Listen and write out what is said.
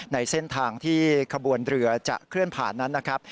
ในเส้นทางที่ขบวนเรือจะเคลื่อนผ่านนั้นนะครับ